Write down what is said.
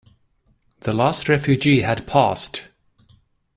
The last refugee had passed.